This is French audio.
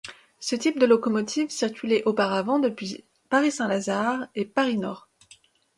Ce type de locomotives circulait auparavant depuis Paris-Saint-Lazare et Paris-Nord.